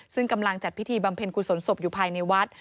ซึ่งกำลังจัดพิธีบำเพ็ญกุศลศพอยู่ภายในวัด